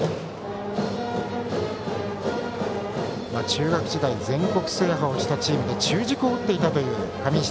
中学時代全国制覇をしたチームで中軸を打っていたという上石。